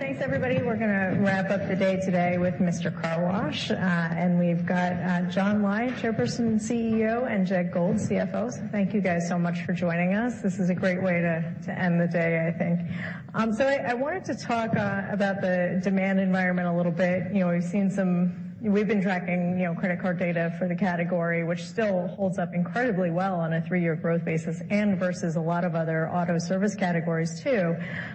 Great. Thanks, everybody. We're gonna wrap up the day today with Mister Car Wash. We've got John Lai, Chairperson and CEO, and Jed Gold, CFO. Thank you guys so much for joining us. This is a great way to end the day, I think. I wanted to talk about the demand environment a little bit. You know, we've seen. We've been tracking, you know, credit card data for the category, which still holds up incredibly well on a three-year growth basis and versus a lot of other auto service categories too.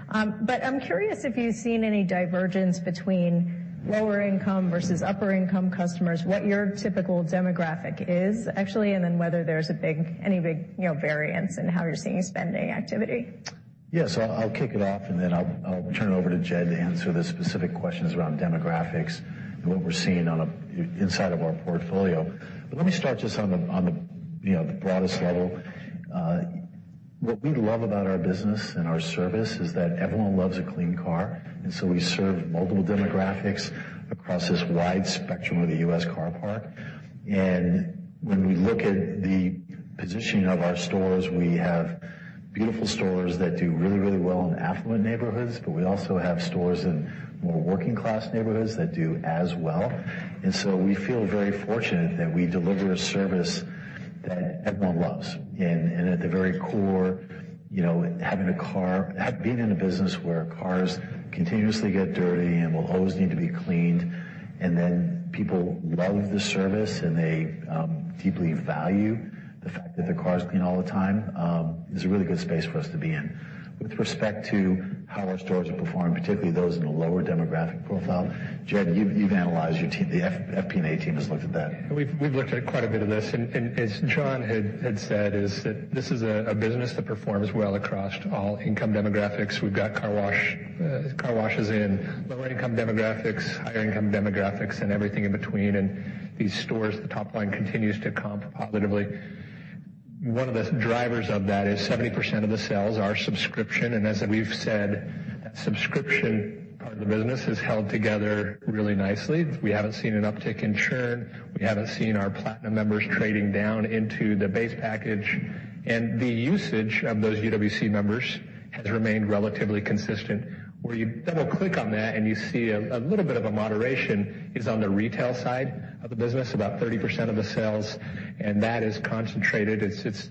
I'm curious if you've seen any divergence between lower income versus upper income customers, what your typical demographic is actually, and then whether there's any big, you know, variance in how you're seeing spending activity. Yeah. I'll kick it off, and then I'll turn it over to Jed to answer the specific questions around demographics and what we're seeing inside of our portfolio. Let me start just on the, on the, you know, the broadest level. What we love about our business and our service is that everyone loves a clean car, we serve multiple demographics across this wide spectrum of the U.S. car park. When we look at the positioning of our stores, we have beautiful stores that do really, really well in affluent neighborhoods, but we also have stores in more working class neighborhoods that do as well. we feel very fortunate that we deliver a service that everyone loves. At the very core, you know, being in a business where cars continuously get dirty and will always need to be cleaned, people love the service, and they deeply value the fact that their car is clean all the time, is a really good space for us to be in. With respect to how our stores are performing, particularly those in a lower demographic profile, Jed, you've analyzed your team. The FP&A team has looked at that. We've looked at quite a bit of this, and as John had said, is that this is a business that performs well across all income demographics. We've got car wash, car washes in lower income demographics, higher income demographics, and everything in between. These stores, the top line continues to comp positively. One of the drivers of that is 70% of the sales are subscription. As we've said, that subscription part of the business has held together really nicely. We haven't seen an uptick in churn. We haven't seen our Platinum members trading down into the base package. The usage of those UWC members has remained relatively consistent. Where you double-click on that and you see a little bit of a moderation is on the retail side of the business, about 30% of the sales. That is concentrated. It's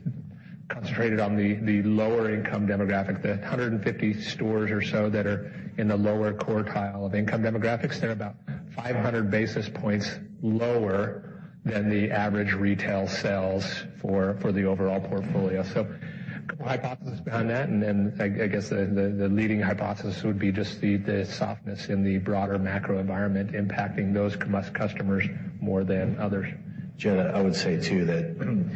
concentrated on the lower income demographic. The 150 stores or so that are in the lower quartile of income demographics, they're about 500 basis points lower than the average retail sales for the overall portfolio. A couple hypotheses behind that, and then I guess the leading hypothesis would be just the softness in the broader macro environment impacting those customers more than others. Jed, I would say too that when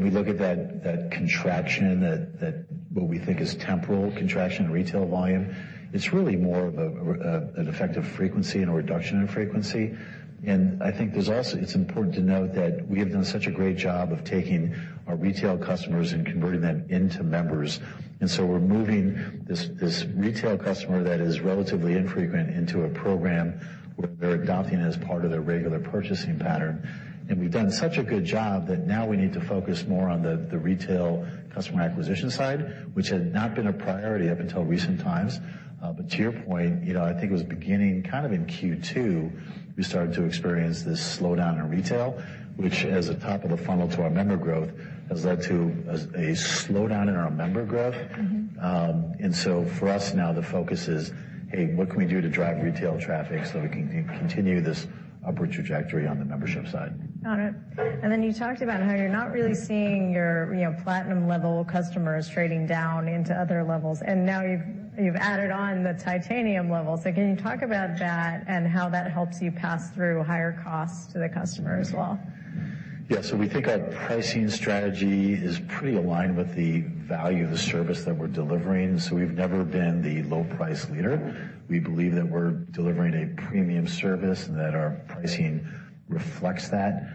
we look at that contraction that what we think is temporal contraction in retail volume, it's really more of an effect of frequency and a reduction in frequency. I think there's also. It's important to note that we have done such a great job of taking our retail customers and converting them into members. We're moving this retail customer that is relatively infrequent into a program where they're adopting it as part of their regular purchasing pattern. We've done such a good job that now we need to focus more on the retail customer acquisition side, which had not been a priority up until recent times. To your point, you know, I think it was beginning kind of in Q2, we started to experience this slowdown in retail, which as a top of the funnel to our member growth, has led to a slowdown in our member growth. Mm-hmm. For us now the focus is, hey, what can we do to drive retail traffic so we can continue this upward trajectory on the membership side? Got it. You talked about how you're not really seeing your, you know, Platinum level customers trading down into other levels, and now you've added on the Titanium level. Can you talk about that and how that helps you pass through higher costs to the customer as well? We think our pricing strategy is pretty aligned with the value of the service that we're delivering. We've never been the low price leader. We believe that we're delivering a premium service and that our pricing reflects that.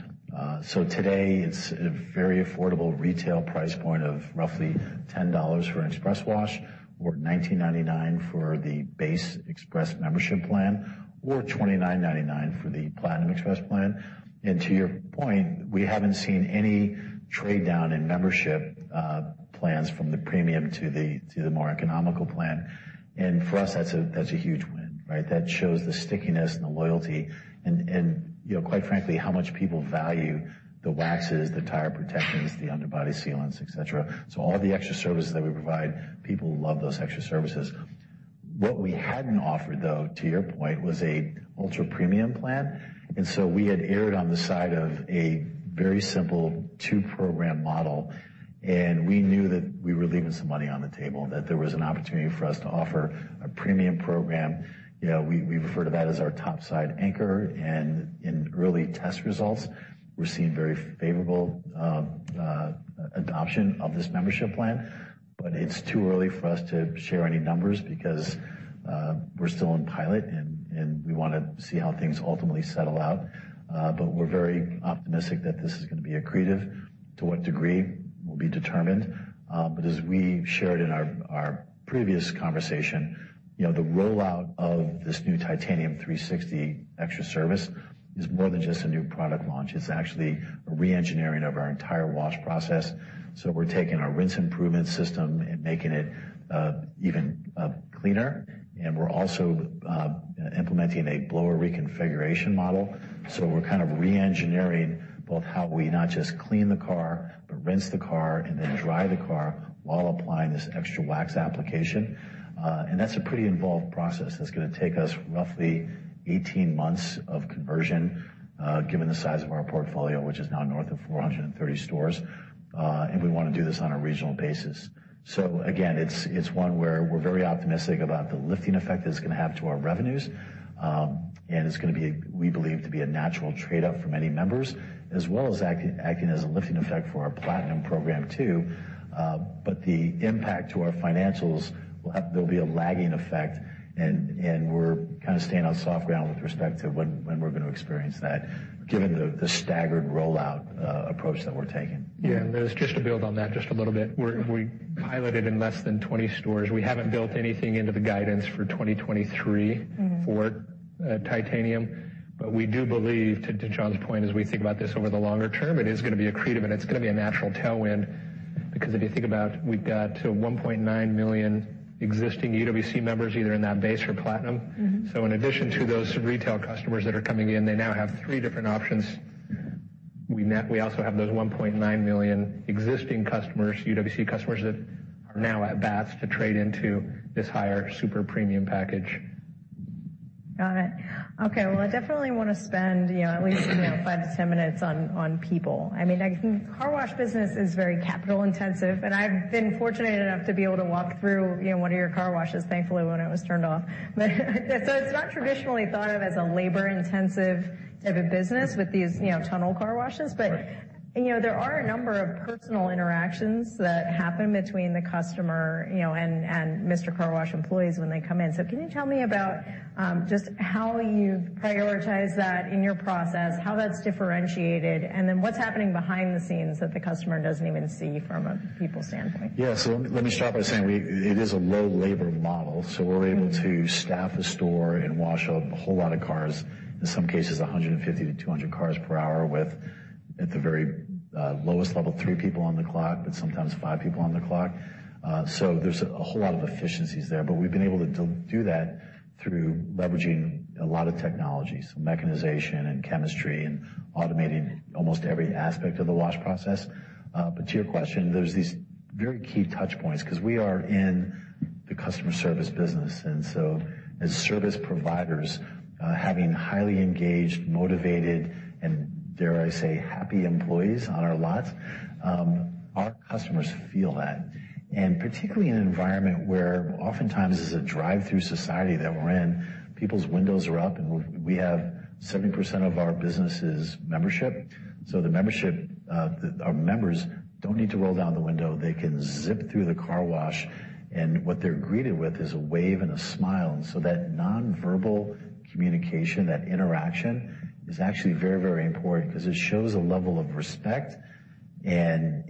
Today it's a very affordable retail price point of roughly $10 for an express wash or $19.99 for the Base express membership plan or $29.99 for the Platinum express plan. To your point, we haven't seen any trade-down in membership plans from the premium to the more economical plan. For us, that's a huge win, right? That shows the stickiness and the loyalty and, you know, quite frankly, how much people value the waxes, the tire protections, the underbody sealants, et cetera. All the extra services that we provide, people love those extra services. What we hadn't offered though, to your point, was a ultra-premium plan. So we had erred on the side of a very simple two-program model, and we knew that we were leaving some money on the table, that there was an opportunity for us to offer a premium program. You know, we refer to that as our top side anchor, and in early test results, we're seeing very favorable adoption of this membership plan. It's too early for us to share any numbers because we're still in pilot, and we wanna see how things ultimately settle out. We're very optimistic that this is gonna be accretive. To what degree? Will be determined. As we shared in our previous conversation, you know, the rollout of this new Titanium 360 extra service is more than just a new product launch. It's actually a re-engineering of our entire wash process. We're taking our rinse improvement system and making it, even, cleaner. We're also, implementing a blower reconfiguration model. We're kind of re-engineering both how we not just clean the car, but rinse the car, and then dry the car while applying this extra wax application. That's a pretty involved process that's gonna take us roughly 18 months of conversion, given the size of our portfolio, which is now north of 430 stores. We wanna do this on a regional basis. Again, it's one where we're very optimistic about the lifting effect that it's gonna have to our revenues. It's gonna be, we believe, to be a natural trade-up for many members, as well as acting as a lifting effect for our Platinum program too. The impact to our financials there'll be a lagging effect, and we're kind of staying on soft ground with respect to when we're gonna experience that, given the staggered rollout approach that we're taking. Yeah. Liz, just to build on that just a little bit. We piloted in less than 20 stores. We haven't built anything into the guidance for 2023. Mm-hmm. -for Titanium. We do believe, to John's point, as we think about this over the longer term, it's gonna be accretive, and it's gonna be a natural tailwind. Because if you think about, we've got 1.9 million existing UWC members either in that base or Platinum. Mm-hmm. In addition to those retail customers that are coming in, they now have three different options. We also have those 1.9 million existing customers, UWC customers, that are now at bats to trade into this higher super premium package. Got it. Okay. I definitely wanna spend, you know, at least, you know, five to 10 minutes on people. I mean, I think the car wash business is very capital intensive, and I've been fortunate enough to be able to walk through, you know, one of your car washes, thankfully, when it was turned off. It's not traditionally thought of as a labor-intensive of a business with these, you know, tunnel car washes. Right. You know, there are a number of personal interactions that happen between the customer, you know, and Mister Car Wash employees when they come in. Can you tell me about just how you prioritize that in your process, how that's differentiated, and then what's happening behind the scenes that the customer doesn't even see from a people standpoint? Let me start by saying it is a low labor model, we're able to staff a store and wash a whole lot of cars, in some cases 150 to 200 cars per hour with, at the very lowest level, three people on the clock, but sometimes five people on the clock. There's a whole lot of efficiencies there. We've been able to do that through leveraging a lot of technologies, mechanization and chemistry, and automating almost every aspect of the wash process. To your question, there's these very key touch points 'cause we are in the customer service business. As service providers, having highly engaged, motivated, and dare I say, happy employees on our lots, our customers feel that. Particularly in an environment where oftentimes it's a drive-through society that we're in, people's windows are up, we have 70% of our business is membership. The membership, our members don't need to roll down the window. They can zip through the car wash, and what they're greeted with is a wave and a smile. That non-verbal communication, that interaction, is actually very, very important 'cause it shows a level of respect and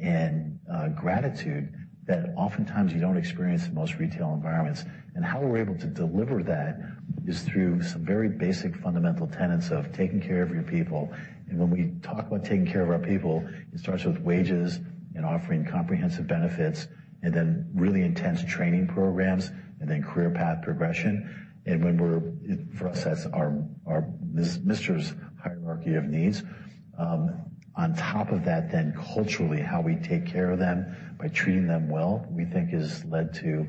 gratitude that oftentimes you don't experience in most retail environments. How we're able to deliver that is through some very basic fundamental tenets of taking care of your people. When we talk about taking care of our people, it starts with wages and offering comprehensive benefits, then really intense training programs, then career path progression. When we're. For us, that's Mister’s Hierarchy of Needs. On top of that culturally, how we take care of them by treating them well, we think has led to,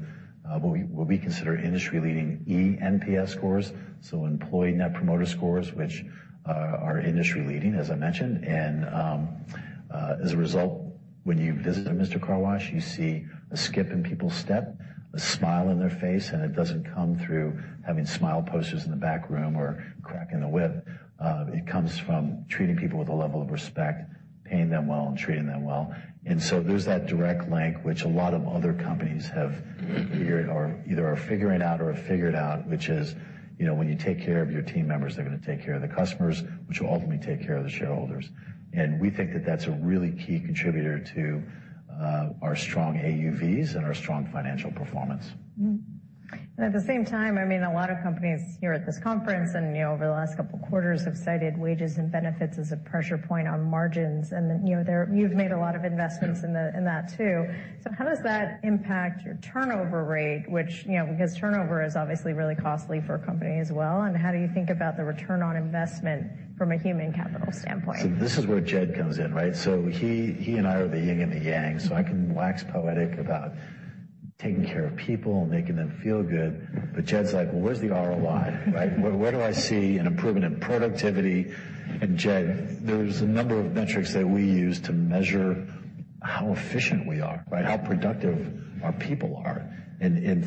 what we, what we consider industry-leading eNPS scores, so Employee Net Promoter Scores, which are industry-leading, as I mentioned. As a result, when you visit a Mister Car Wash, you see a skip in people's step, a smile on their face, and it doesn't come through having smile posters in the back room or cracking the whip. It comes from treating people with a level of respect, paying them well, and treating them well. There's that direct link, which a lot of other companies have figured or either are figuring out or have figured out, which is, you know, when you take care of your team members, they're gonna take care of the customers, which will ultimately take care of the shareholders. We think that that's a really key contributor to our strong AUVs and our strong financial performance. Mm-hmm. At the same time, I mean, a lot of companies here at this conference and, you know, over the last couple quarters have cited wages and benefits as a pressure point on margins. You've made a lot of investments in the, in that too. How does that impact your turnover rate, which, you know, because turnover is obviously really costly for a company as well, and how do you think about the return on investment from a human capital standpoint? This is where Jed comes in, right? He and I are the yin and the yang. I can wax poetic about taking care of people and making them feel good, but Jed's like, "Well, where's the ROI?" Right? Where do I see an improvement in productivity? Jed, there's a number of metrics that we use to measure how efficient we are, right? How productive our people are.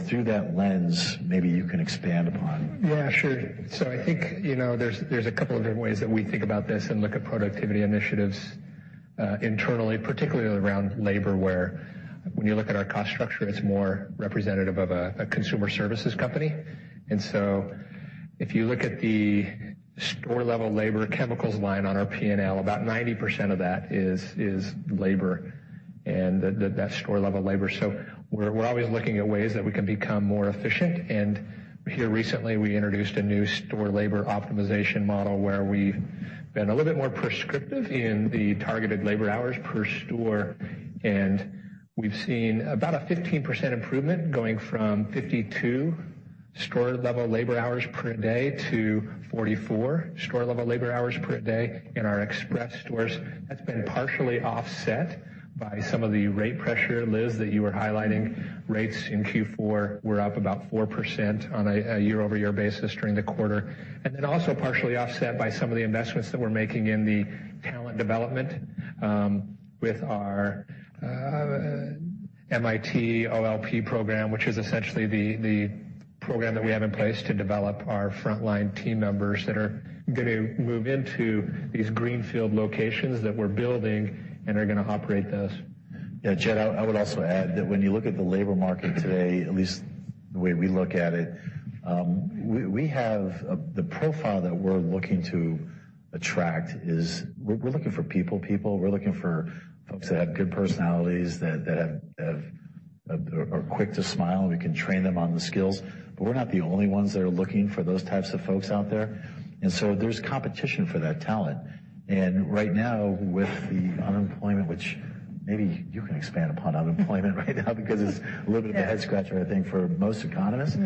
Through that lens, maybe you can expand upon. Yeah, sure. I think, you know, there's a couple of different ways that we think about this and look at productivity initiatives internally, particularly around labor where. When you look at our cost structure, it's more representative of a consumer services company. If you look at the store-level labor chemicals line on our P&L, about 90% of that is labor and that store level labor. We're always looking at ways that we can become more efficient. Here recently, we introduced a new store labor optimization model where we've been a little bit more prescriptive in the targeted labor hours per store. We've seen about a 15% improvement going from 52 store level labor hours per day to 44 store level labor hours per day in our express stores. That's been partially offset by some of the rate pressure, Liz, that you were highlighting. Rates in Q4 were up about 4% on a year-over-year basis during the quarter. Also partially offset by some of the investments that we're making in the talent development with our MIT and OLP program, which is essentially the program that we have in place to develop our frontline team members that are gonna move into these greenfield locations that we're building and are gonna operate those. Yeah, Jed, I would also add that when you look at the labor market today, at least the way we look at it, the profile that we're looking to attract is we're looking for people-people. We're looking for folks that have good personalities, that are quick to smile, we can train them on the skills. We're not the only ones that are looking for those types of folks out there. There's competition for that talent. Right now, with the unemployment, which maybe you can expand upon unemployment right now because it's a little bit of a head-scratcher, I think, for most economists.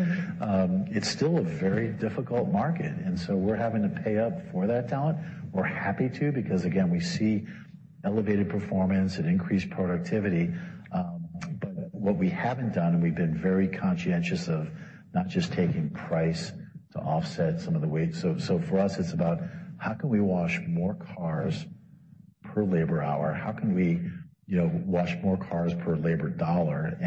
It's still a very difficult market, and so we're having to pay up for that talent. We're happy to because, again, we see elevated performance and increased productivity. What we haven't done, and we've been very conscientious of not just taking price to offset some of the weight. For us, it's about how can we wash more cars per labor hour? How can we, you know, wash more cars per labor dollar?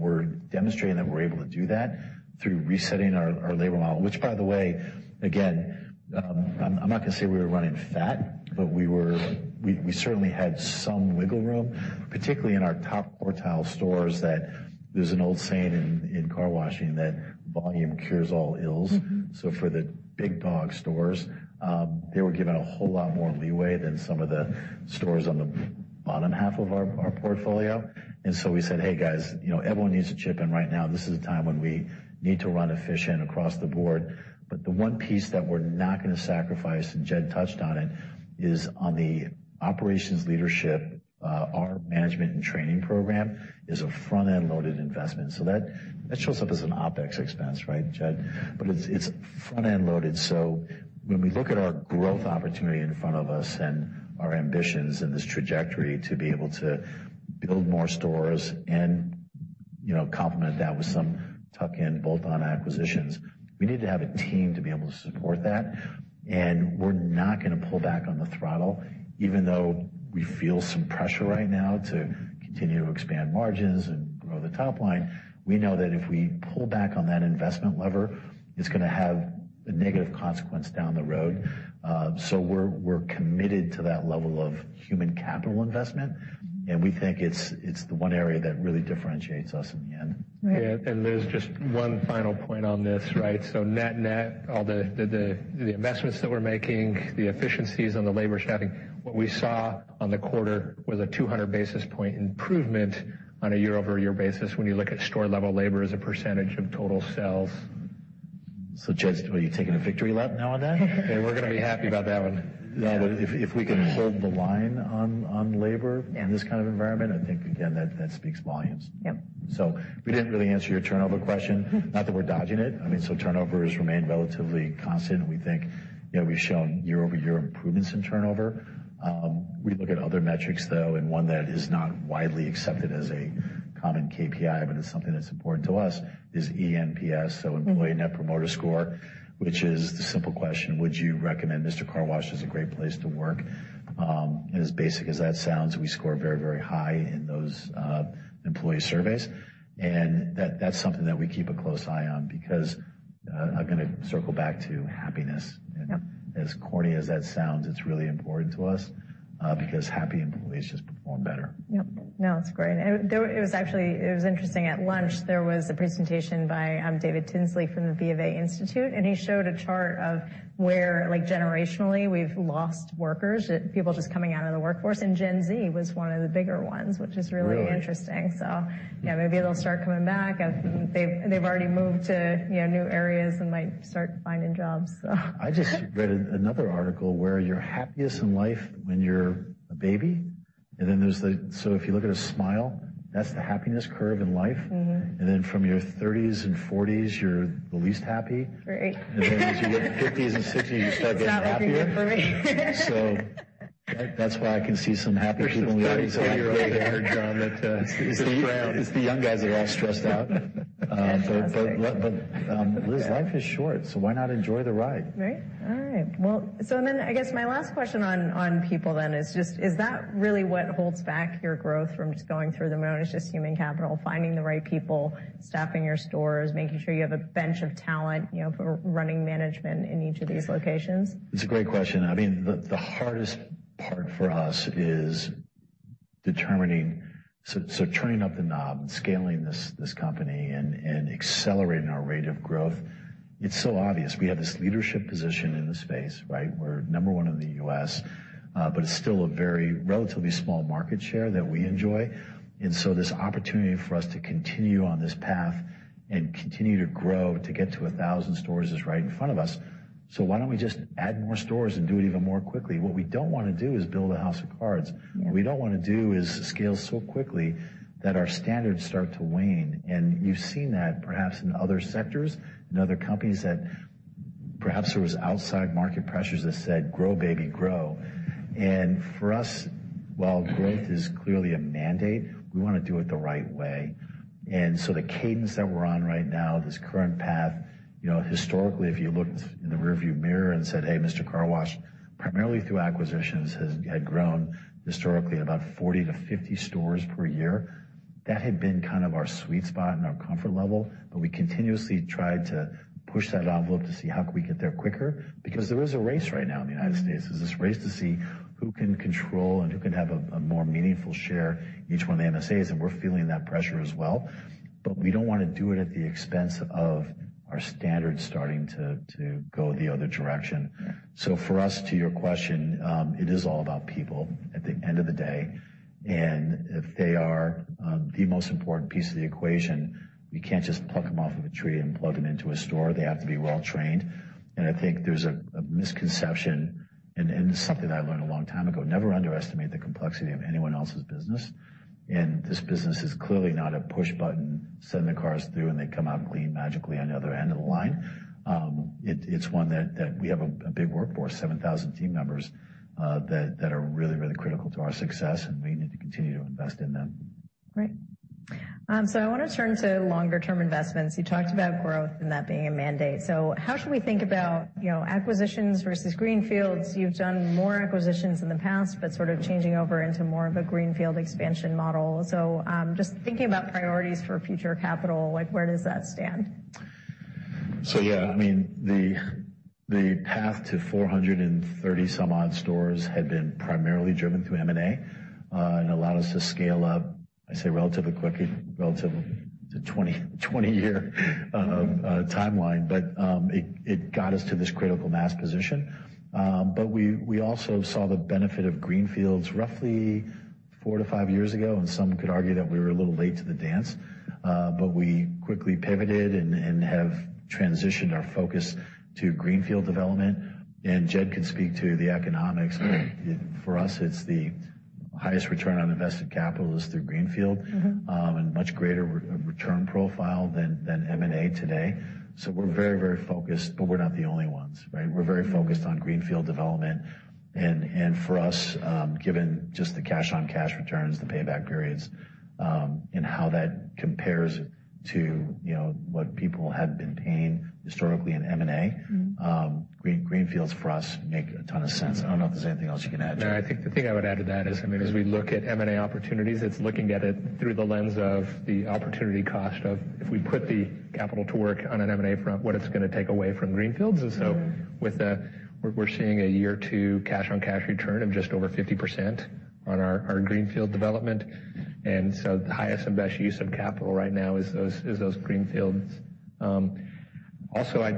We're demonstrating that we're able to do that through resetting our labor model, which by the way, again, I'm not gonna say we were running fat, but we certainly had some wiggle room, particularly in our top quartile stores that there's an old saying in car washing that volume cures all ills. Mm-hmm. For the big dog stores, they were given a whole lot more leeway than some of the stores on the bottom half of our portfolio. We said, "Hey, guys, you know, everyone needs to chip in right now. This is a time when we need to run efficient across the board." The one piece that we're not gonna sacrifice, and Jed touched on it, is on the Operations Leadership. Our Operations Leadership Program is a front-end loaded investment. That shows up as an OpEx expense, right, Jed? It's front-end loaded. When we look at our growth opportunity in front of us and our ambitions and this trajectory to be able to build more stores and, you know, complement that with some tuck-in bolt-on acquisitions, we need to have a team to be able to support that. We're not gonna pull back on the throttle, even though we feel some pressure right now to continue to expand margins and grow the top line. We know that if we pull back on that investment lever, it's gonna have a negative consequence down the road. We're committed to that level of human capital investment, and we think it's the one area that really differentiates us in the end. Yeah. Liz, just one final point on this, right? Net-net, all the investments that we're making, the efficiencies on the labor staffing, what we saw on the quarter was a 200 basis point improvement on a year-over-year basis when you look at store-level labor as a percentage of total sales. Jed, so are you taking a victory lap now on that? Yeah, we're gonna be happy about that one. Yeah. If we can hold the line on labor in this kind of environment, I think again, that speaks volumes. Yep. We didn't really answer your turnover question. Not that we're dodging it. Turnover has remained relatively constant, and we think, you know, we've shown year-over-year improvements in turnover. We look at other metrics, though, and one that is not widely accepted as a common KPIs, but it's something that's important to us is eNPS, so Employee Net Promoter Score, which is the simple question: Would you recommend Mister Car Wash as a great place to work? As basic as that sounds, we score very high in those employee surveys. That's something that we keep a close eye on because I'm gonna circle back to happiness. Yep. As corny as that sounds, it's really important to us, because happy employees just perform better. Yep. No, it's great. It was actually, it was interesting. At lunch, there was a presentation by David Tinsley from the BofA Institute, and he showed a chart of where, like generationally, we've lost workers, people just coming out of the workforce, and Gen Z was one of the bigger ones, which is really interesting. Really? Yeah, maybe they'll start coming back as they've already moved to, you know, new areas and might start finding jobs. I just read another article where you're happiest in life when you're a baby. If you look at a smile, that's the happiness curve in life. Mm-hmm. From your 30s and 40s, you're the least happy. Great. As you get to 50s and 60s, you start getting happier. It's not looking good for me. That's why I can see some happy people in the audience. There are some 30s and 40s right here, John, that it's the frown. It's the young guys that are all stressed out. Fantastic. Liz, life is short, so why not enjoy the ride? Right. All right. Well, I guess my last question on people then is just, is that really what holds back your growth from just going through the moon, it's just human capital, finding the right people, staffing your stores, making sure you have a bench of talent, you know, for running management in each of these locations? It's a great question. I mean, the hardest part for us so turning up the knob, scaling this company and accelerating our rate of growth, it's so obvious. We have this leadership position in the space, right? We're number one in the U.S., but it's still a very relatively small market share that we enjoy. This opportunity for us to continue on this path and continue to grow to get to 1,000 stores is right in front of us. Why don't we just add more stores and do it even more quickly? What we don't wanna do is build a house of cards. Mm-hmm. What we don't wanna do is scale so quickly that our standards start to wane. You've seen that perhaps in other sectors, in other companies that perhaps there was outside market pressures that said, "Grow, baby, grow." For us, while growth is clearly a mandate, we wanna do it the right way. The cadence that we're on right now, this current path, you know, historically, if you looked in the rearview mirror and said, "Hey, Mister Car Wash," primarily through acquisitions had grown historically about 40-50 stores per year. That had been kind of our sweet spot and our comfort level, but we continuously tried to push that envelope to see how can we get there quicker. There is a race right now in the United States. Mm-hmm. There's this race to see who can control and who can have a more meaningful share in each one of the MSAs, and we're feeling that pressure as well. We don't wanna do it at the expense of our standards starting to go the other direction. Yeah. For us, to your question, it is all about people at the end of the day. If they are the most important piece of the equation, we can't just pluck them off of a tree and plug them into a store. They have to be well-trained. I think there's a misconception, and something I learned a long time ago, never underestimate the complexity of anyone else's business. This business is clearly not a push button, send the cars through, and they come out clean magically on the other end of the line. It's one that we have a big workforce, 7,000 team members, that are really, really critical to our success, and we need to continue to invest in them. Great. I wanna turn to longer-term investments. You talked about growth and that being a mandate. How should we think about, you know, acquisitions versus greenfields? You've done more acquisitions in the past, but sort of changing over into more of a greenfield expansion model. Just thinking about priorities for future capital, like, where does that stand? Yeah, I mean, the path to 430 some odd stores had been primarily driven through M&A and allowed us to scale up, I'd say, relatively quickly, relative to 20-year timeline. It got us to this critical mass position. We also saw the benefit of greenfields roughly four to five years ago, and some could argue that we were a little late to the dance. We quickly pivoted and have transitioned our focus to greenfield development. Jed can speak to the economics. Right. For us, it's the highest return on invested capital is through greenfield- Mm-hmm. much greater return profile than M&A today. We're very, very focused. We're not the only ones, right? Mm-hmm. We're very focused on greenfield development. For us, given just the cash on cash returns, the payback periods, and how that compares to, you know, what people have been paying historically in M&A. Mm-hmm. Greenfields for us make a ton of sense. I don't know if there's anything else you can add. I think the thing I would add to that is, I mean, as we look at M&A opportunities, it's looking at it through the lens of the opportunity cost of if we put the capital to work on an M&A front, what it's gonna take away from greenfields. Mm-hmm. With the, we're seeing a year-two cash-on-cash return of just over 50% on our greenfield development. The highest and best use of capital right now is those greenfields. Also, I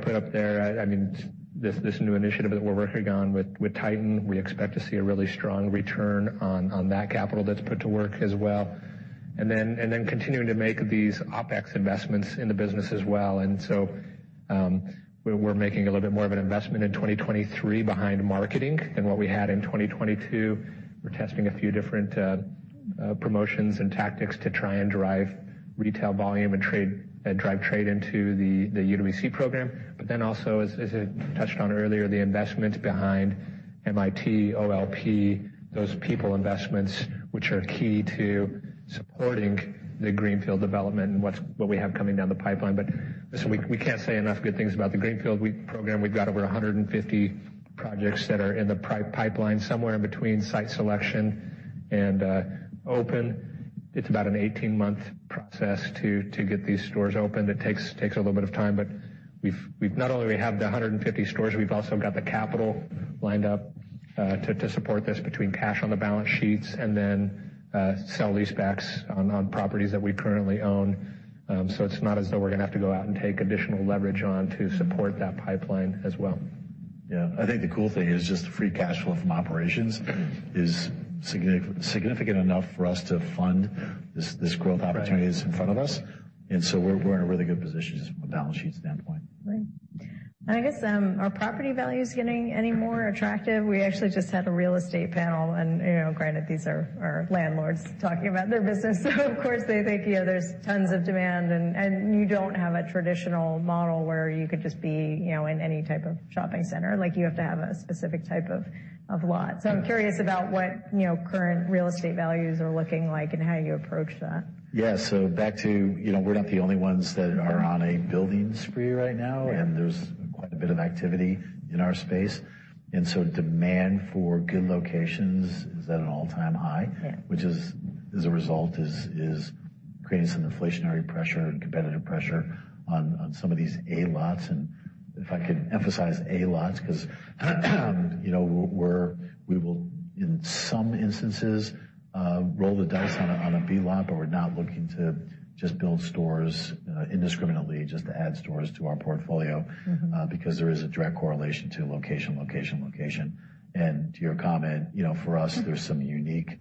mean, this new initiative that we're working on with Titanium, we expect to see a really strong return on that capital that's put to work as well. Continuing to make these OpEx investments in the business as well. We're making a little bit more of an investment in 2023 behind marketing than what we had in 2022. We're testing a few different promotions and tactics to try and drive retail volume and drive trade into the UWC program. Also, as I touched on earlier, the investment behind MIT and OLP, those people investments, which are key to supporting the greenfield development and what we have coming down the pipeline. Listen, we can't say enough good things about the greenfield program. We've got over 150 projects that are in the pipeline, somewhere in between site selection and open. It's about an 18-month process to get these stores open. It takes a little bit of time, but we've not only have the 150 stores, we've also got the capital lined up to support this between cash on the balance sheets and then sale-leasebacks on properties that we currently own. It's not as though we're gonna have to go out and take additional leverage on to support that pipeline as well. Yeah. I think the cool thing is just the free cash flow from operations is significant enough for us to. Yeah. this growth opportunities in front of us. We're in a really good position just from a balance sheet standpoint. Great. I guess, are property values getting any more attractive? We actually just had a real estate panel and, you know, granted these are our landlords talking about their business. Of course they think, you know, there's tons of demand and you don't have a traditional model where you could just be, you know, in any type of shopping center. Like, you have to have a specific type of lot. I'm curious about what, you know, current real estate values are looking like and how you approach that. Yeah. back to, you know, we're not the only ones that are on a building spree right now. Yeah. There's quite a bit of activity in our space. Demand for good locations is at an all-time high. Yeah. Which is, as a result, is creating some inflationary pressure and competitive pressure on some of these A lots. If I could emphasize A lots, 'cause you know, we will, in some instances, roll the dice on a B lot, but we're not looking to just build stores indiscriminately just to add stores to our portfolio. Mm-hmm. Because there is a direct correlation to location, location. To your comment, you know. Mm-hmm. There's some unique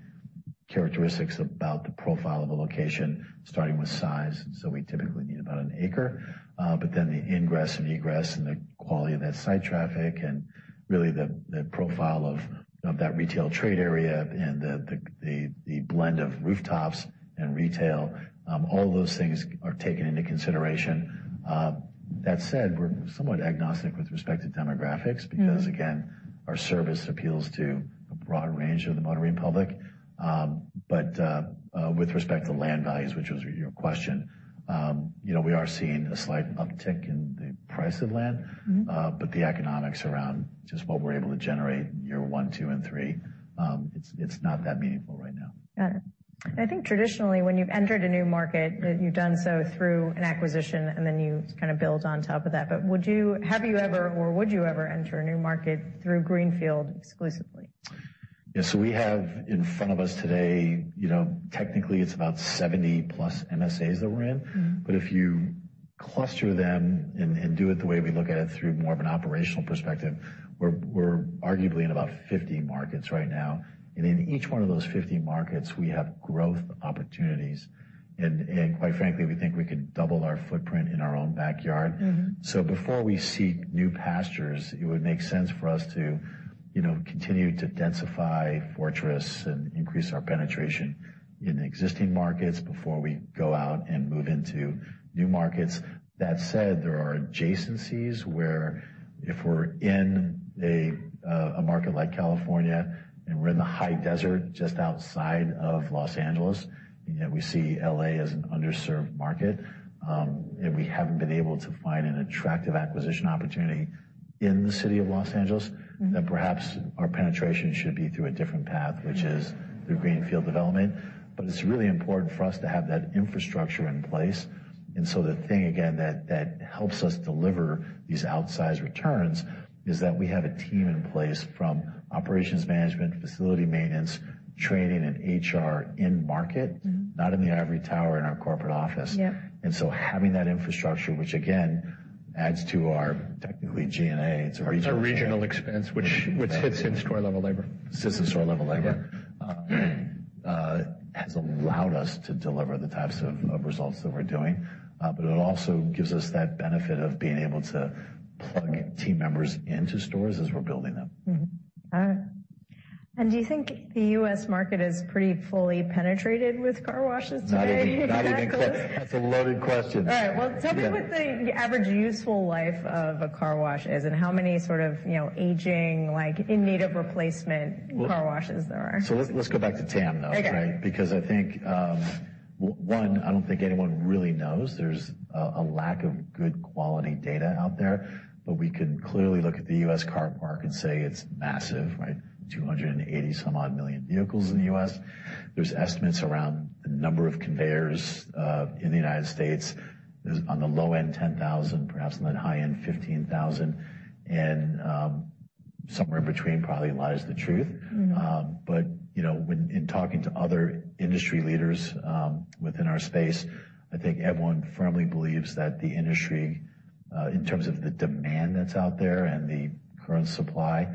characteristics about the profile of a location, starting with size. We typically need about an acre, but then the ingress and egress and the quality of that site traffic and really the profile of that retail trade area and the blend of rooftops and retail, all those things are taken into consideration. That said, we're somewhat agnostic with respect to demographics. Mm-hmm. Because again, our service appeals to a broad range of the motoring public. But, with respect to land values, which was your question, you know, we are seeing a slight uptick in the price of land. Mm-hmm. The economics around just what we're able to generate in year one, two, and three, it's not that meaningful right now. Got it. I think traditionally, when you've entered a new market, you've done so through an acquisition, and then you kind of build on top of that. Have you ever or would you ever enter a new market through greenfield exclusively? Yeah. We have in front of us today, you know, technically it's about 70-plus MSAs that we're in. Mm-hmm. If you cluster them and do it the way we look at it through more of an operational perspective, we're arguably in about 50 markets right now. In each one of those 50 markets, we have growth opportunities. Quite frankly, we think we could double our footprint in our own backyard. Mm-hmm. Before we seek new pastures, it would make sense for us to, you know, continue to densify fortress and increase our penetration in existing markets before we go out and move into new markets. That said, there are adjacencies where if we're in a market like California, and we're in the high desert just outside of Los Angeles, yet we see L.A. as an underserved market, and we haven't been able to find an attractive acquisition opportunity in the city of Los Angeles. Mm-hmm. Perhaps our penetration should be through a different path, which is through greenfield development. It's really important for us to have that infrastructure in place. The thing again that helps us deliver these outsized returns is that we have a team in place from operations management, facility maintenance, training, and HR in market. Mm-hmm. Not in the ivory tower in our corporate office. Yeah. Having that infrastructure, which again adds to our technically G&A, it's a regional. It's a regional expense which hits in store-level labor. Sits in store-level labor. Yeah. has allowed us to deliver the types of results that we're doing. It also gives us that benefit of being able to plug team members into stores as we're building them. All right. Do you think the US market is pretty fully penetrated with car washes today? Not even, not even close. That's a loaded question. All right. Well, tell me what the average useful life of a car wash is and how many sort of, you know, aging, like, in need of replacement car washes there are? Let's go back to TAM though, right? Okay. I think, I don't think anyone really knows. There's a lack of good quality data out there. We can clearly look at the U.S. car park and say it's massive, right? 280 some odd million vehicles in the U.S. There's estimates around the number of conveyors in the United States. There's on the low end, 10,000, perhaps on the high end, 15,000. Somewhere in between probably lies the truth. Mm-hmm. You know, when in talking to other industry leaders, within our space, I think everyone firmly believes that the industry, in terms of the demand that's out there and the current supply,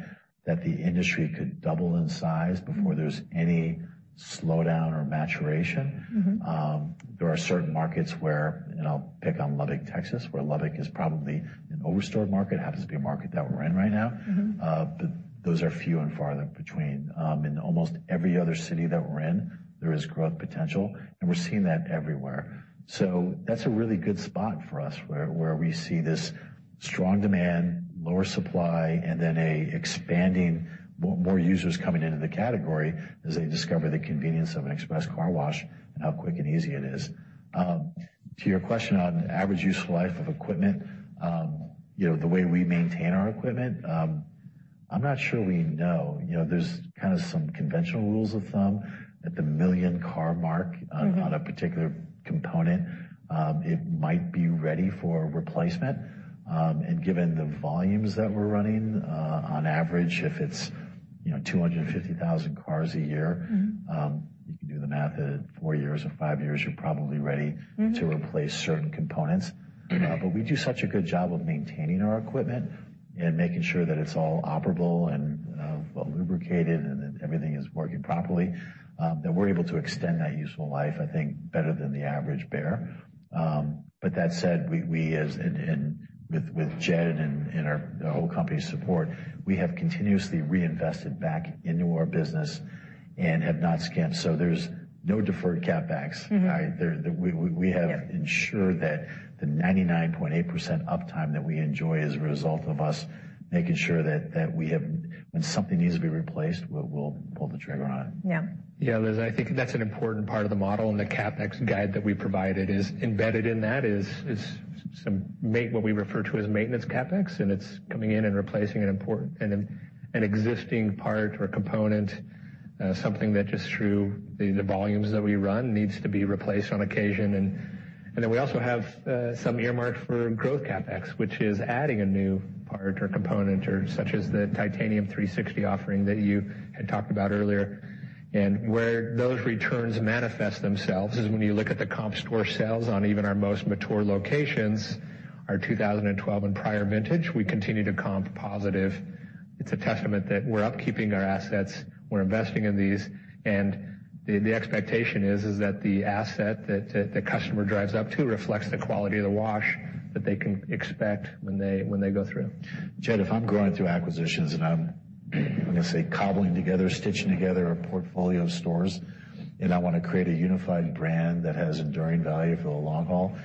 that the industry could double in size before there's any slowdown or maturation. Mm-hmm. There are certain markets where, and I'll pick on Lubbock, Texas, where Lubbock is probably an overstored market, happens to be a market that we're in right now. Mm-hmm. Those are few and far in between. In almost every other city that we're in, there is growth potential, and we're seeing that everywhere. That's a really good spot for us where we see this strong demand, lower supply, and then a expanding, more users coming into the category as they discover the convenience of an express car wash and how quick and easy it is. To your question on average useful life of equipment, you know, the way we maintain our equipment, I'm not sure we know. You know, there's kinda some conventional rules of thumb. At the 1 million car mark. Mm-hmm. On a particular component, it might be ready for replacement. Given the volumes that we're running, on average, if it's, you know, 250,000 cars a year. Mm-hmm. You can do the math at four years or five years, you're probably ready- Mm-hmm. To replace certain components. We do such a good job of maintaining our equipment and making sure that it's all operable and lubricated and that everything is working properly, that we're able to extend that useful life, I think, better than the average bear. That said, with Jed and our, the whole company's support, we have continuously reinvested back into our business and have not skimped. There's no deferred CapEx. Mm-hmm. All right. we have- Yeah. Ensured that the 99.8% uptime that we enjoy is a result of us making sure that we have... When something needs to be replaced, we'll pull the trigger on it. Yeah. Yeah, Liz, I think that's an important part of the model. The CapEx guide that we provided is embedded in that is what we refer to as maintenance CapEx. It's coming in and replacing an existing part or component. Something that just through the volumes that we run needs to be replaced on occasion. Then we also have some earmarked for growth CapEx, which is adding a new part or component or such as the Titanium 360 offering that you had talked about earlier. Where those returns manifest themselves is when you look at the comp store sales on even our most mature locations, our 2012 and prior vintage, we continue to comp positive. It's a testament that we're upkeeping our assets, we're investing in these. The expectation is that the asset that the customer drives up to reflects the quality of the wash that they can expect when they go through. Jed, if I'm going through acquisitions and I'm, let me say, cobbling together, stitching together a portfolio of stores, and I wanna create a unified brand that has enduring value for the long haul,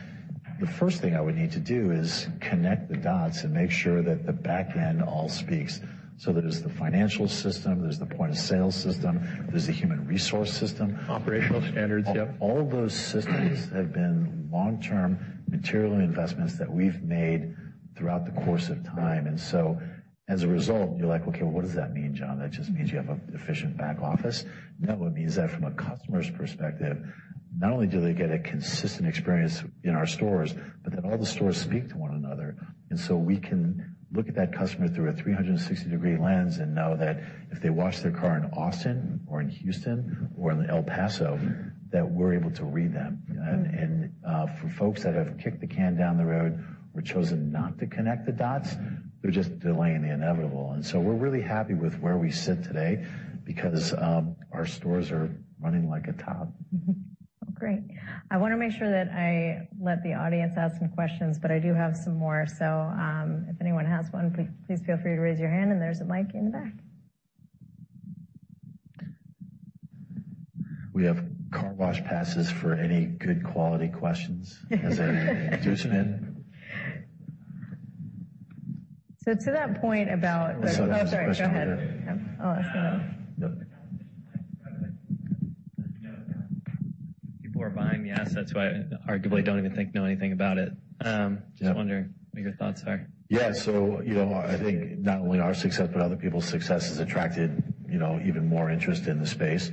the first thing I would need to do is connect the dots and make sure that the back end all speaks, so that it's the financial system, there's the point-of-sale system, there's the human resource system. Operational standards, yep. All those systems have been long-term material investments that we've made throughout the course of time. As a result, you're like, "Okay, what does that mean, John? That just means you have a efficient back office?" No, it means that from a customer's perspective, not only do they get a consistent experience in our stores, but that all the stores speak to one another. We can look at that customer through a 360 degree lens and know that if they wash their car in Austin or in Houston or in El Paso, that we're able to read them. For folks that have kicked the can down the road or chosen not to connect the dots, they're just delaying the inevitable. We're really happy with where we sit today because our stores are running like a top. Great. I wanna make sure that I let the audience ask some questions. I do have some more. If anyone has one, please feel free to raise your hand, and there's a mic in the back. We have car wash passes for any good quality questions as an inducement. To that point about. There's a question over there. Oh, sorry. Go ahead. I'll ask another one. No. People are buying the assets, but arguably don't even know anything about it. Yeah. Just wondering what your thoughts are? Yeah. You know, I think not only our success but other people's success has attracted, you know, even more interest in the space.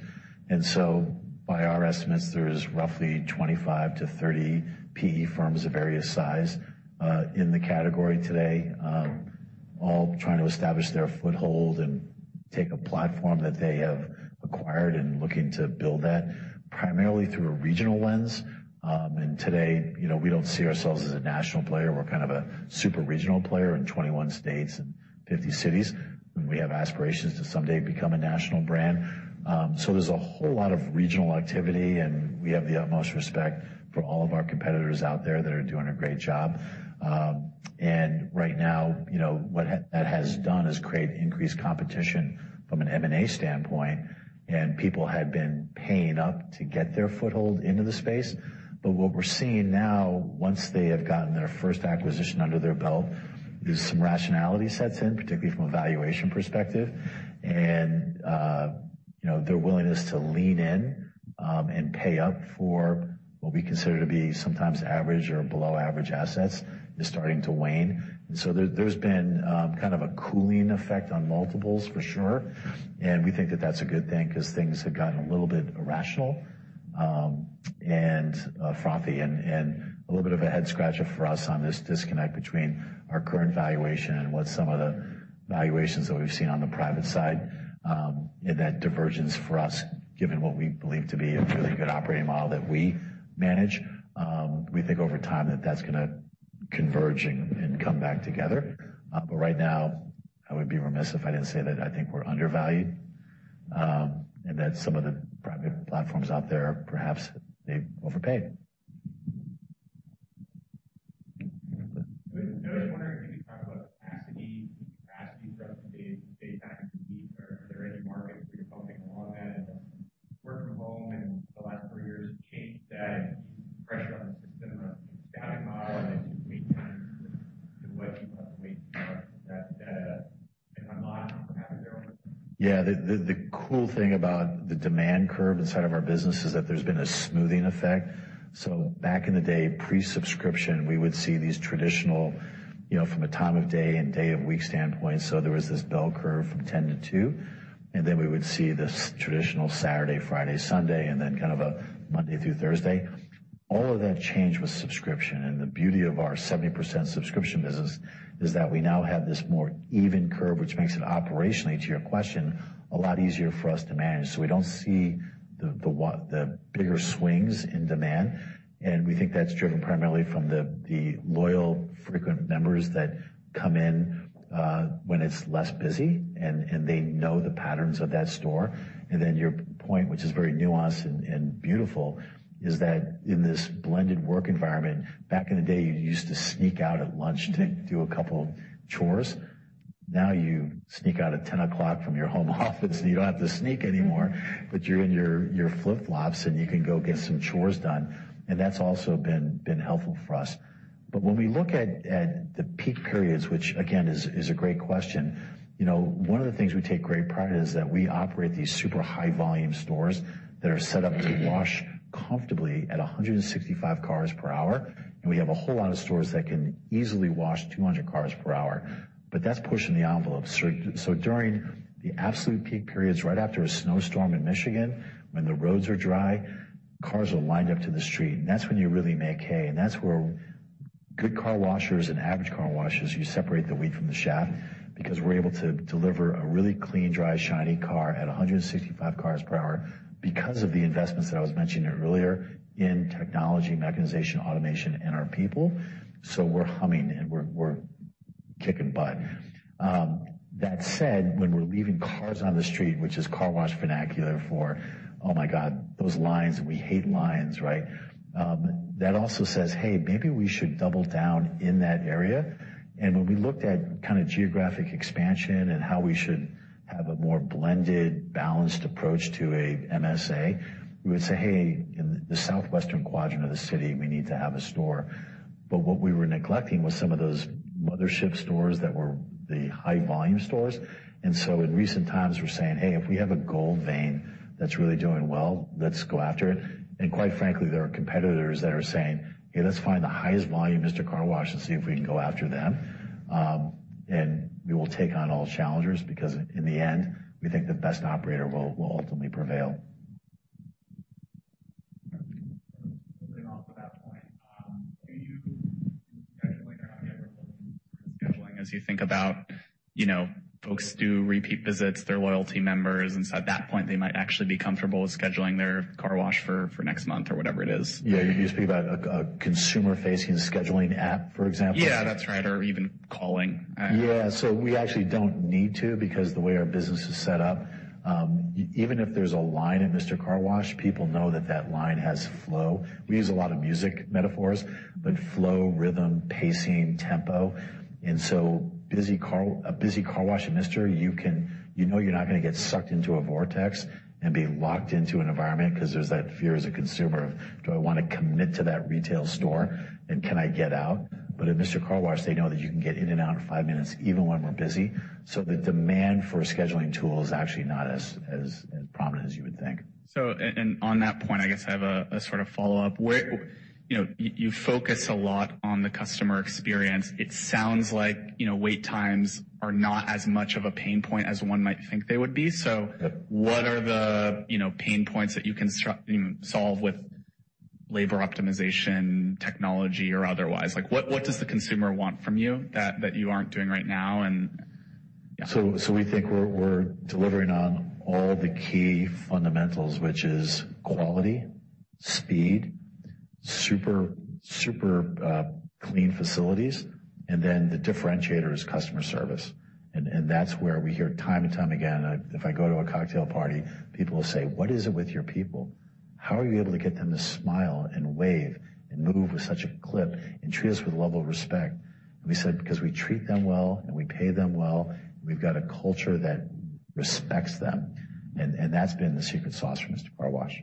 By our estimates, there's roughly 25 to 30 PE firms of various size in the category today, all trying to establish their foothold and take a platform that they have acquired and looking to build that primarily through a regional lens. Today, you know, we don't see ourselves as a national player. We're kind of a super regional player in 21 states and 50 cities, and we have aspirations to someday become a national brand. There's a whole lot of regional activity, and we have the utmost respect for all of our competitors out there that are doing a great job. Right now, you know, that has done is create increased competition from an M&A standpoint, and people have been paying up to get their foothold into the space. What we're seeing now, once they have gotten their first acquisition under their belt, is some rationality sets in, particularly from a valuation perspective. You know, their willingness to lean in and pay up for what we consider to be sometimes average or below average assets is starting to wane. There's been kind of a cooling effect on multiples for sure, and we think that that's a good thing 'cause things have gotten a little bit irrational, and frothy and a little bit of a head scratcher for us on this disconnect between our current valuation and what some of the valuations that we've seen on the private side, and that divergence for us, given what we believe to be a really good operating model that we manage. We think over time that that's gonna converge and come back together. Right now, I would be remiss if I didn't say that I think we're undervalued, and that some of the private platforms out there, perhaps, they overpaid. Go ahead. I was wondering if you could talk about capacity throughout the daytime peak. Are there any markets where you're bumping along that? Has work from home in the last 3 years changed that and eased pressure on the system, or staffing model, and wait times? Am I off in how to go? The cool thing about the demand curve inside our business is that there's been a smoothing effect. Back in the day, pre-subscription, we would see these traditional, you know, from a time-of-day and day-of-week standpoint. There was this bell curve from 10 to two, and then we would see this traditional Saturday, Friday, Sunday, and then kind of a Monday through Thursday. All of that changed with subscription. The beauty of our 70% subscription business is that we now have this more even curve, which makes it operationally, to your question, a lot easier for us to manage. We don't see the bigger swings in demand, and we think that's driven primarily by the loyal, frequent members that come in, when it's less busy and they know the patterns of that store. Your point, which is very nuanced and beautiful, is that in this blended work environment, back in the day, you used to sneak out at lunch to do a couple of chores. Now you sneak out at 10 o'clock from your home office, and you don't have to sneak anymore. You're in your flip-flops, and you can go get some chores done. That's also been helpful for us. When we look at the peak periods, which again is a great question, you know, one of the things we take great pride in is that we operate these super high volume stores that are set up to wash comfortably at 165 cars per hour, and we have a whole lot of stores that can easily wash 200 cars per hour. That's pushing the envelope. During the absolute peak periods right after a snowstorm in Michigan, when the roads are dry, cars are lined up to the street, and that's when you really make hay. That's where good car washers and average car washers, you separate the wheat from the chaff because we're able to deliver a really clean, dry, shiny car at 165 cars per hour because of the investments that I was mentioning earlier in technology, mechanization, automation, and our people. We're humming and we're kicking butt. That said, when we're leaving cars on the street, which is car wash vernacular for, oh my god, those lines, we hate lines, right? That also says, "Hey, maybe we should double down in that area." When we looked at kinda geographic expansion and how we should have a more blended, balanced approach to a MSAs, we would say, "Hey, in the southwestern quadrant of the city, we need to have a store." What we were neglecting was some of those mothership stores that were the high volume stores. In recent times, we're saying, "Hey, if we have a gold vein that's really doing well, let's go after it." Quite frankly, there are competitors that are saying, "Hey, let's find the highest volume Mister Car Wash to see if we can go after them." We will take on all challengers because in the end, we think the best operator will ultimately prevail. Moving off of that point, do you schedule a car wash or scheduling as you think about, you know, folks do repeat visits, they're loyalty members, and so at that point, they might actually be comfortable with scheduling their car wash for next month or whatever it is. Yeah. You're speaking about a consumer-facing scheduling app, for example? Yeah. That's right, or even calling. Yeah. We actually don't need to because the way our business is set up, even if there's a line at Mister Car Wash, people know that that line has flow. We use a lot of music metaphors, flow, rhythm, pacing, and tempo. A busy car wash at Mister, you know you're not gonna get sucked into a vortex and be locked into an environment 'cause there's that fear as a consumer of do I wanna commit to that retail store, and can I get out? At Mister Car Wash, they know that you can get in and out in five minutes, even when we're busy. The demand for a scheduling tool is actually not as prominent as you would think. And on that point, I guess I have a sort of follow-up. Where. You know, you focus a lot on the customer experience. It sounds like, you know, wait times are not as much of a pain point as one might think they would be. Yep. What are the, you know, pain points that you can you know, solve with labor optimization, technology or otherwise? Like, what does the consumer want from you that you aren't doing right now and... We think we're delivering on all the key fundamentals, which is quality, speed, super clean facilities, and then the differentiator is customer service. That's where we hear time and time again, if I go to a cocktail party, people will say, "What is it with your people? How are you able to get them to smile and wave and move with such a clip and treat us with a level of respect?" We said, "Because we treat them well and we pay them well, and we've got a culture that respects them." That's been the secret sauce for Mister Car Wash.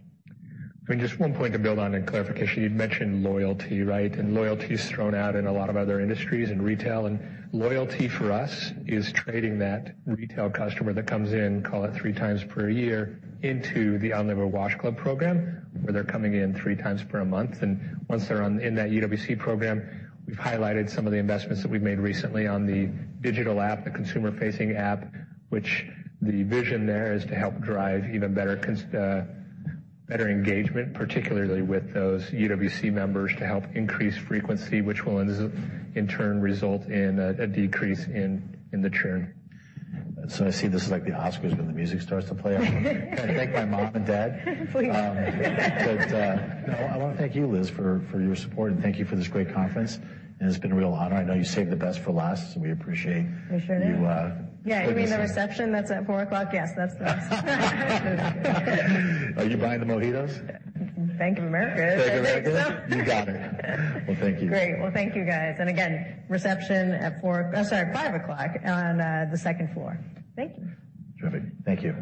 I mean, just one point to build on and clarification. You'd mentioned loyalty, right? Loyalty is thrown out in a lot of other industries and retail, and loyalty for us is trading that retail customer that comes in, call it 3x per year, into the Unlimited Wash Club program, where they're coming in 3x per month. Once they're in that UWC program, we've highlighted some of the investments that we've made recently on the digital app, the consumer-facing app, which the vision there is to help drive even better engagement, particularly with those UWC members, to help increase frequency, which will in turn result in a decrease in churn. I see this is like the Oscars when the music starts to play. I wanna thank my mom and dad. Please. No, I wanna thank you, Liz, for your support and thank you for this great conference, and it's been a real honor. I know you saved the best for last. We appreciate-. We sure did. you, keeping us Yeah. You mean the reception that's at 4:00 P.M.? Yes, that's next. Are you buying the mojitos? Bank of America. Bank of America? I think so. You got it. Well, thank you. Great. Well, thank you, guys. Again, reception at 5:00 P.M. on the second floor. Thank you. Terrific. Thank you.